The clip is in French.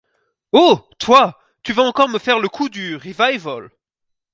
Oh, toi, tu vas encore me faire le coup du revival.